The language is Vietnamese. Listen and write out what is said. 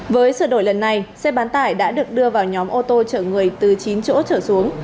với sự đổi lần này xe bán tải đã được đưa vào nhóm ô tô chở người từ chín chỗ chở xuống